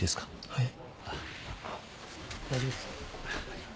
はい。